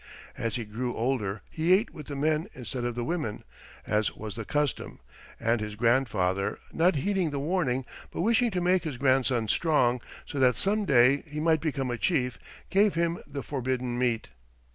As he grew older he ate with the men instead of the women, as was the custom, and his grandfather, not heeding the warning but wishing to make his grandson strong, so that some day he might become a chief, gave him the forbidden meat.